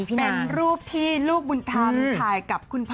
เป็นรูปที่ลูกบุญธรรมถ่ายกับคุณพ่อ